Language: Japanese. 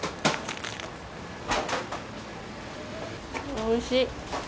おいしい。